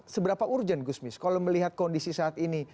seberapa urgen gusmis kalau melihat kondisi saat ini